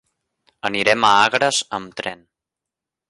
Anirem a Agres amb tren.